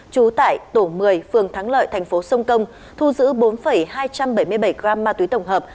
trú tại tổ một mươi phường thắng lợi thành phố sông công thu giữ bốn hai trăm bảy mươi bảy gram ma túy tổng hợp